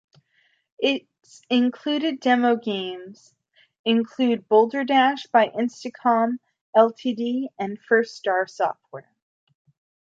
Its included demo games include Boulder Dash by Instacom ltd. and First Star Software.